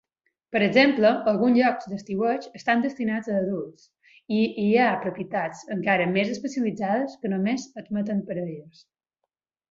Per exemple, alguns llocs d'estiueig estan destinats a adults, i hi ha propietats encara més especialitzades que només admeten parelles.